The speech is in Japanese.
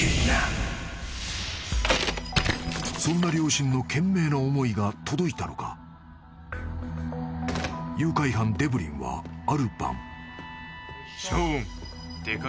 ［そんな両親の懸命な思いが届いたのか誘拐犯デブリンはある晩］